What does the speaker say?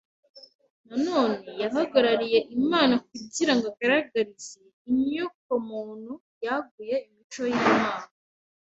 na none yahagarariye Imana kugira ngo agaragarize inyokomuntu yaguye imico y’Imana.